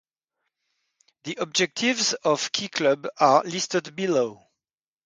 The Objectives of Key Club are listed below.